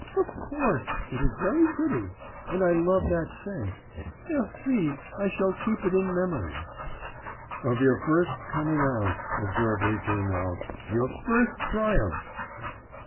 'Of course; it is very pretty, and I love that scent. Merci I shall keep it in memory ' 'Of your first coming out,' observed Litvinov, 'your first triumph.